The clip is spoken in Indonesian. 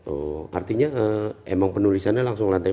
oh artinya emang penulisannya langsung lantai empat